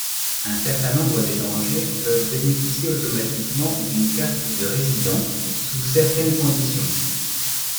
Un certain nombre d'étrangers peuvent bénéficier automatiquement d'une carte de résident, sous certaines conditions.